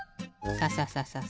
サササササ。